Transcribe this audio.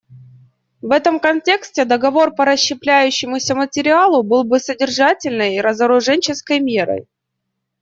В этом контексте договор по расщепляющемуся материалу был бы содержательной разоруженческой мерой.